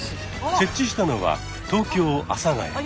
設置したのは東京・阿佐ヶ谷。